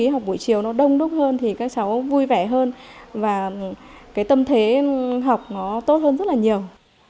học buổi chiều nó đông đúc hơn thì các cháu vui vẻ hơn và cái tâm thế học nó tốt hơn rất là nhiều